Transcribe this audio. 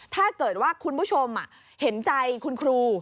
ถ้าเกิดว่าคุณผู้ชมเห็นใจคุณครู